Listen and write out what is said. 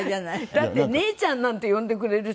だって「姉ちゃん」なんて呼んでくれる人